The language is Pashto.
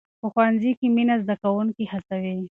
په ښوونځي کې مینه زده کوونکي هڅوي.